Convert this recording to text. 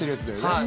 はい